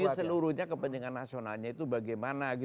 seluruhnya kepentingan nasionalnya itu bagaimana gitu